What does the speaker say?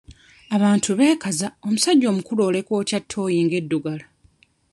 Abantu beekaza omusajja omukulu oleka otya nga ttooyi eddugala?